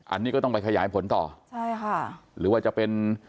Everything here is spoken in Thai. อันนี้ก็ต้องไปขยายผลต่อใช่ค่ะหรือว่าจะเป็น